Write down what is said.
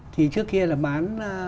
thì trước kia là bán